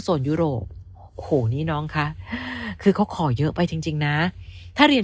ส่วนยุโรปโอ้โหนี่น้องคะคือเขาขอเยอะไปจริงจริงนะถ้าเรียน